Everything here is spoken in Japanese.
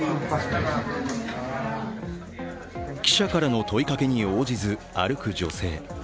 記者からの問いかけに応じず歩く女性。